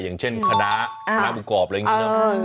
อย่างเช่นคาด้าน้ำกรอบอะไรอย่างนี้นะ